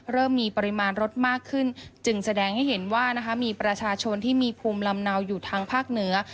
เริ่มมีปริมาณรถมากขึ้นจึงแสดงให้เห็นว่านะคะมีประชาชนที่มีภูมิลำเนาอยู่ทางภาคเหนือ